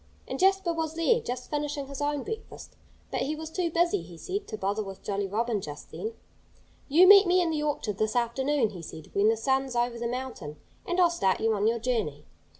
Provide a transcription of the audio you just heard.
And Jasper was there, just finishing his own breakfast. But he was too busy, he said, to bother with Jolly Robin just then. "You meet me in the orchard this afternoon," he said, "when the sun's over the mountain, and I'll start you on your journey."